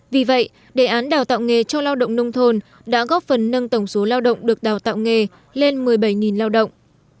vì vậy đề án đào tạo nghề cho lao động nông thôn đã góp phần nâng tổng số lao động được đào tạo nghề lên một mươi bảy lao động